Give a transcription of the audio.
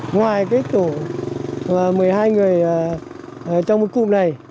ngoài cái tổ một mươi hai người trong cái cụm này